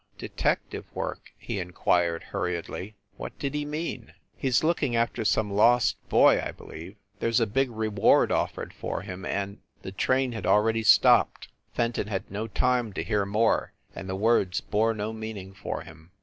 "Detective work?" he in quired, hurriedly, "what did he mean?" "He s looking after some lost boy, I believe. There s a big reward offered for him, and " The train had already stopped. Fenton had no time to hear more, and the words bore no meaning for him.